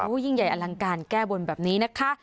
ยิ่งใหญ่อลังการแก้บนแบบนี้นะคะ